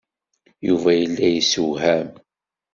Yuba yella yesewham.